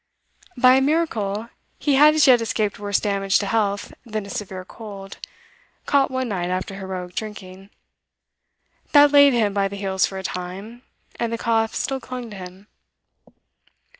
By a miracle he had as yet escaped worse damage to health than a severe cold, caught one night after heroic drinking. That laid him by the heels for a time, and the cough still clung to him.